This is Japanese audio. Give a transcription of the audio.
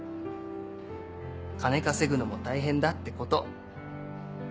金稼ぐのも大変だってこと。